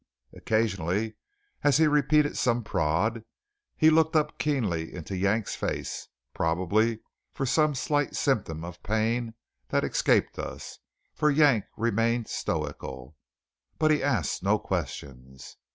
Occasionally, as he repeated some prod, he looked up keenly into Yank's face, probably for some slight symptom of pain that escaped us, for Yank remained stoical. But he asked no questions.